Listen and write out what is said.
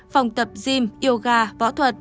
phòng tập gym yoga võ thuật